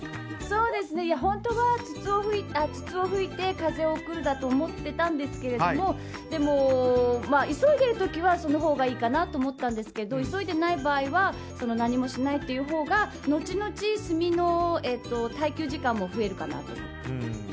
本当は筒を吹いて風を送るだと思っていたんですけれどもでも、急いでいる時はそのほうがいいかなと思ったんですけど急いでない場合は何もしないほうが後々、炭の耐久時間も増えるかなと思って。